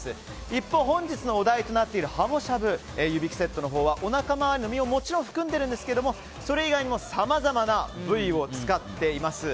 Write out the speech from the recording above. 一方、本日のお題となっているはもしゃぶ、湯引きセットのほうはおなか周りの身をもちろん含んでいるんですがそれ以外にもさまざまな部位を使っています。